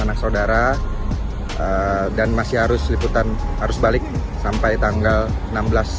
iya semoga dikasih libur ya sama atasannya